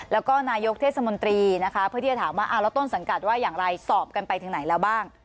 แล้วก็นายกเทศมนตรีนะคะเพื่อที่จะถามว่าแล้วต้นสังกัดว่าอย่างไรสอบกันไปถึงไหนแล้วบ้าง